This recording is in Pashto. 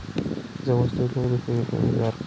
زه اوس د لوبې د پیلیدو انتظار کوم.